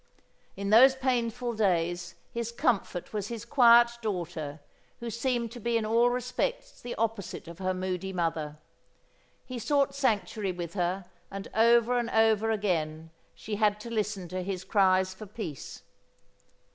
In those painful days his comfort was his quiet daughter who seemed to be in all respects the opposite of her moody mother. He sought sanctuary with her, and over and over again she had to listen to his cries for peace.